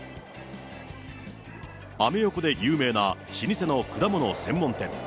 アメ横で有名な老舗の果物専門店。